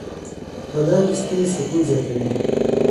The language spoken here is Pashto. بادرنګ د ستوني سکون زیاتوي.